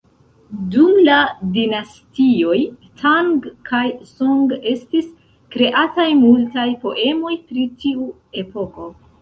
Dum la Dinastioj Tang kaj Song, estis kreataj multaj poemoj pri tiu epoko.